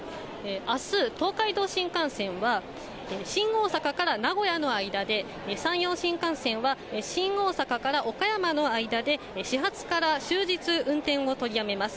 あす、東海道新幹線は、新大阪から名古屋の間で、山陽新幹線は新大阪から岡山の間で、始発から終日運転を取りやめます。